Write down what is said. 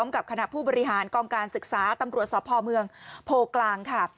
กับคณะผู้บริหารกองการศึกษาตำรวจสพเมืองโพกลางค่ะ